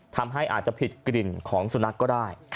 ทำให้อาจจะผิดกลิ่นของสุนัขก็ได้